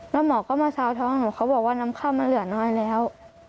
แล้วหมอก็มาซาวท้องหนูเขาบอกว่าน้ำค่ำมันเหลือน้อยแล้ว